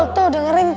betul tuh dengerin kak